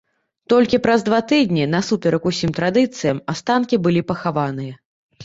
Толькі праз два тыдні, насуперак усім традыцыям, астанкі былі пахаваныя.